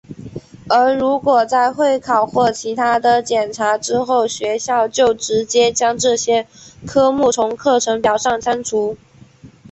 而如果在会考或其它的检查之后学校就直接将这些科目从课程表上删除。